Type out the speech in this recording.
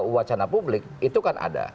wacana publik itu kan ada